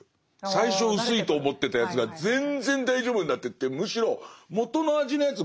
最初薄いと思ってたやつが全然大丈夫になってってむしろ元の味のやつ